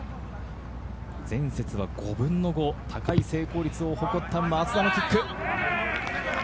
前節は５分の５、高い成功率を誇った松田のキック。